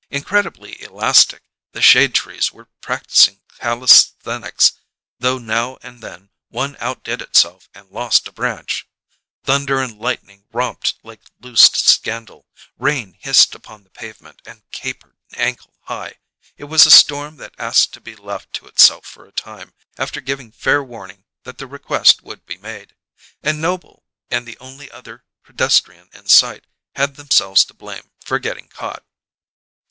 Incredibly elastic, the shade trees were practising calisthenics, though now and then one outdid itself and lost a branch; thunder and lightning romped like loosed scandal; rain hissed upon the pavement and capered ankle high. It was a storm that asked to be left to itself for a time, after giving fair warning that the request would be made; and Noble and the only other pedestrian in sight had themselves to blame for getting caught.